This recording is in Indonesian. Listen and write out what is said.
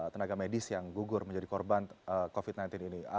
tenaga medis yang gugur menjadi korban covid sembilan belas ini